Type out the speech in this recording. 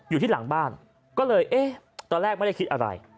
อยู่ที่หลังบ้านก็เลยเอ๊ะตอนแรกไม่ได้คิดอะไร